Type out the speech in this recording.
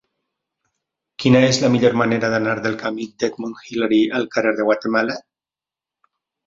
Quina és la millor manera d'anar del camí d'Edmund Hillary al carrer de Guatemala?